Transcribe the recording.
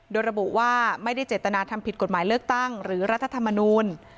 โดยระบุว่าไม่ได้เจตนาทำผิดกฎหมายเลือกตั้งหรือรัฐธรรมนูล